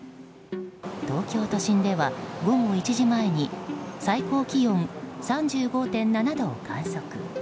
東京都心では午後１時前に最高気温３５．７度を観測。